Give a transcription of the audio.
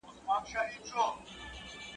o ياد مي ته که، مړوي به مي خدای.